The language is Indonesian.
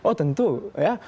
oh tentu ya